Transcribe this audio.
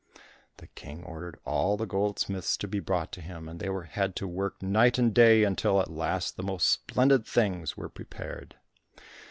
The King ordered all the goldsmiths to be brought to him, and they had to work night and day until at last the most splendid things were prepared.